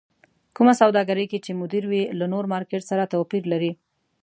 کومه سوداګرۍ کې چې مدير وي له نور مارکېټ سره توپير لري.